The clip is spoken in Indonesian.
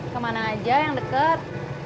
kemana aja yang deket